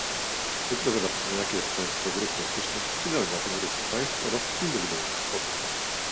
Jutro zobaczymy jakie jest stanowisko grup politycznych i delegatów różnych państw oraz indywidualnych posłów